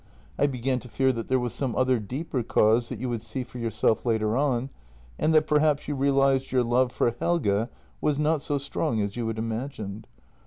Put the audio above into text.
I began to fear that there was some other deeper cause that you would see for yourself later on, and that per haps you realized your love for Helge was not so strong as you had imagined.